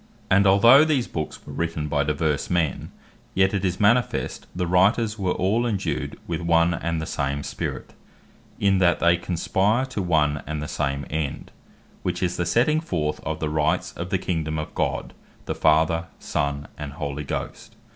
Their Scope And although these Books were written by divers men, yet it is manifest the Writers were all indued with one and the same Spirit, in that they conspire to one and the same end, which is the setting forth of the Rights of the Kingdome of God, the Father, Son, and Holy Ghost.